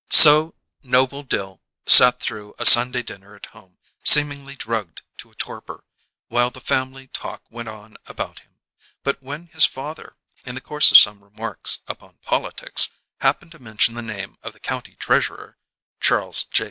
So Noble Dill sat through a Sunday dinner at home, seemingly drugged to a torpor, while the family talk went on about him; but when his father, in the course of some remarks upon politics, happened to mention the name of the county treasurer, Charles J.